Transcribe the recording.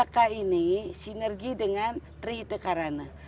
tiga k ini sinergi dengan trihita karana